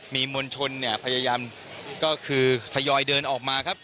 มีมวลชนพยายามทยอยเดินออกมาครับ